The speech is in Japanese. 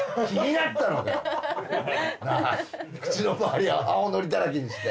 なぁ口の周りを青のりだらけにして。